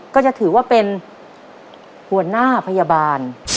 ก็จะถือว่าเป็นหัวหน้าพยาบาล